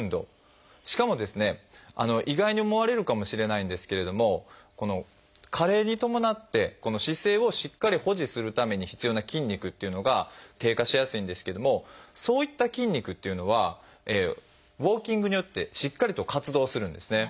意外に思われるかもしれないんですけれども加齢に伴って姿勢をしっかり保持するために必要な筋肉っていうのが低下しやすいんですけどもそういった筋肉っていうのはウォーキングによってしっかりと活動するんですね。